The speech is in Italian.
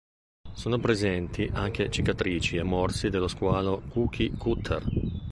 Sono presenti anche cicatrici e morsi dello squalo cookie-cutter.